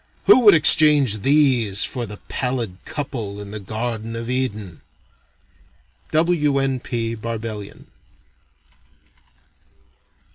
Who would exchange these for the pallid couple in the Garden of Eden?" W. N. P. Barbellion.